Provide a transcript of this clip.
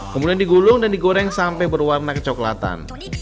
kemudian digulung dan digoreng sampai berwarna kecoklatan